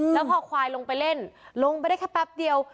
แล้วพอควายลงไปเล่นลงไปได้แค่แป๊บเดียว